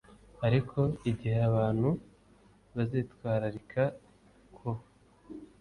ariko igihe abantu bazitwararika ku